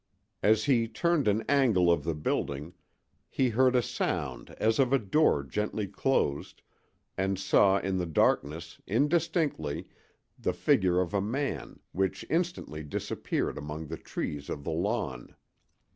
As he turned an angle of the building, he heard a sound as of a door gently closed, and saw in the darkness, indistinctly, the figure of a man, which instantly disappeared among the trees of the lawn.